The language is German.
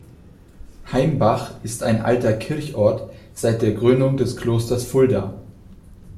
Haimbach ist ein alter Kirchort seit der Gründung des Klosters Fulda.